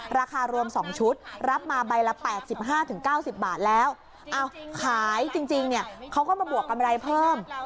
ราคารวม๒ชุดรับมาใบละ๘๕๙๐บาทแล้วขายจริงเนี่ยเขาก็มาบวกกำไรเพิ่ม